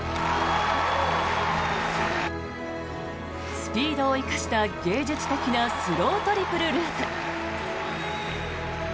スピードを生かした芸術的なスロウトリプルループ。